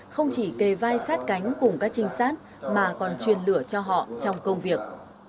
không chỉ kề vai sát cánh cùng các trinh sát mà còn chuyên lửa cho họ trong công việc